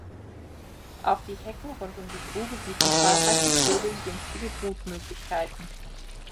Auch die Hecken rund um die Grube bieten zahlreichen Vögeln günstige Brutmöglichkeiten.